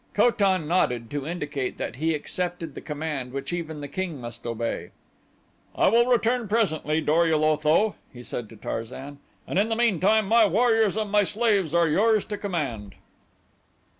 Ko tan nodded to indicate that he accepted the command which even the king must obey. "I will return presently, Dor ul Otho," he said to Tarzan, "and in the meantime my warriors and my slaves are yours to command."